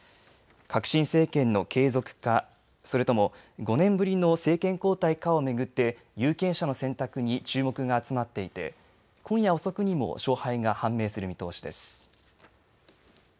革新政権の継続か、それとも５年ぶりの政権交代かを巡って有権者の選択に注目が集まっていて今夜、遅くにも勝敗が判明する見通しです。